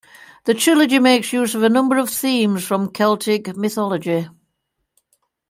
The trilogy makes use of a number of themes from Celtic mythology.